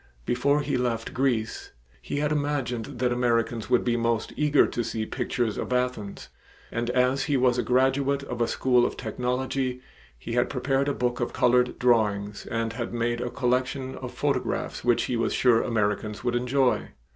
Before he left Greece he had imagined that Americans would be most eager to see pictures of Athens, and as he was a graduate of a school of technology, he had prepared a book of colored drawings and had made a collection of photographs which he was sure Americans would enjoy.